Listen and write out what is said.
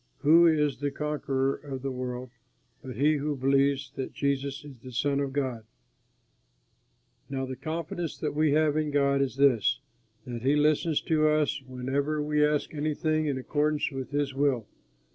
Who is the conqueror of the world but he who believes that Jesus is the Son of God? Now the confidence that we have in God is this, that he listens to us whenever we ask anything in accordance with his will.